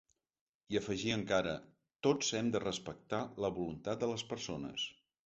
I afegí encara: Tots hem de respectar la voluntat de les persones.